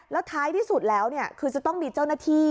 แล้วท้ายที่สุดแล้วคือจะต้องมีเจ้าหน้าที่